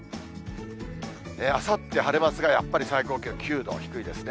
あさって晴れますが、やっぱり最高気温９度、低いですね。